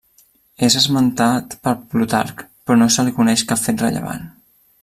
És esmentat per Plutarc però no se li coneix cap fet rellevant.